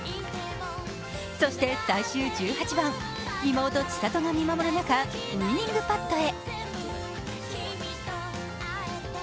そして最終１８番、妹・千怜が見守る中ウイニングパットへ。